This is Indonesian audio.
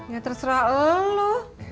ya terserah elu